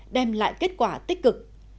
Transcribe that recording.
đem lại kết quả tích cực